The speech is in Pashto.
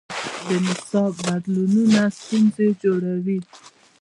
د نصاب بدلونونه ستونزې جوړوي.